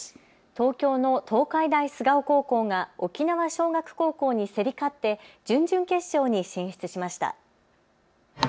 東京の東海大菅生高校が沖縄尚学高校に競り勝って準々決勝に進出しました。